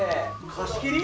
貸し切り？